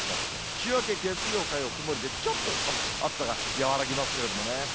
週明け月曜、火曜、曇りで、ちょっと暑さが和らぎますけれどもね。